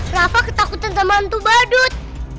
rafa ketakutan sama hantu badut